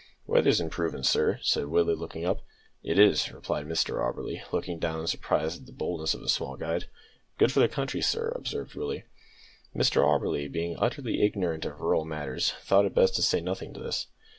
"Weather's improvin', sir," said Willie, looking up. "It is," replied Mr Auberly, looking down in surprise at the boldness of his small guide. "Good for the country, sir," observed Willie. Mr Auberly, being utterly ignorant of rural matters, thought it best to say nothing to this.